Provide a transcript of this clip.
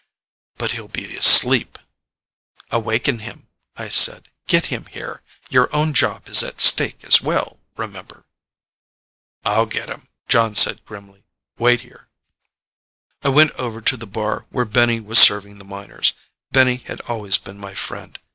"But he'll be asleep." "Awaken him," I said. "Get him here. Your own job is at stake as well, remember." "I'll get him," Jon said grimly. "Wait here." I went over to the bar where Benny was serving the miners. Benny had always been my friend.